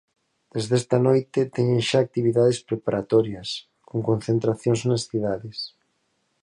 Desde esta noite teñen xa actividades preparatorias, con concentracións nas cidades.